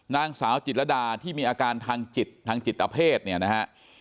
นางสาวจิตรดาที่มีอาการทางจิตทางจิตเพศเนี่ยนะฮะ